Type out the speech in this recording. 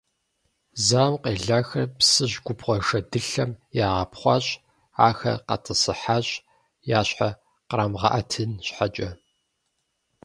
Зауэм къелахэр Псыжь губгъуэ шэдылъэм ягъэӏэпхъуащ, ахэр къатӏысыхьащ, я щхьэр кърамыгъэӏэтын щхьэкӏэ.